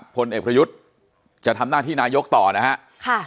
พลเอกประยุทธ์จะทำหน้าที่นายกต่อนะฮะ